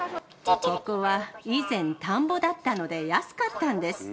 ここは以前、田んぼだったので安かったんです。